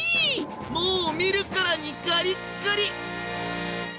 もう見るからにカリッカリ！